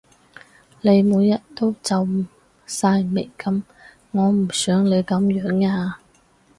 你每日都皺晒眉噉，我唔想你噉樣呀